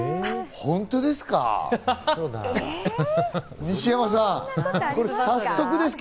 本当ですか？